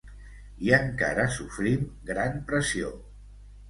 I encara sofrim gran pressió.